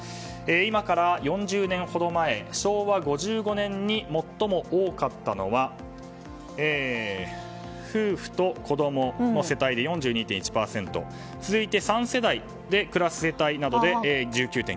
今から４０年ほど前昭和５５年に最も多かったのは夫婦と子供の世帯で４２．１％続いて３世代で暮らす世帯などで１９．９％。